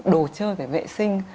đồ chơi phải vệ sinh